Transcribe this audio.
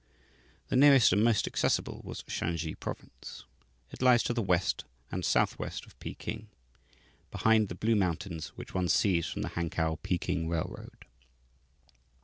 The nearest and most accessible was Shansi Province. It lies to the west and southwest of Peking, behind the blue mountains which one sees from the Hankow Peking Railroad.